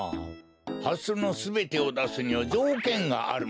ハスのすべてをだすにはじょうけんがあるのじゃ。